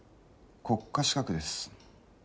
国家資格です。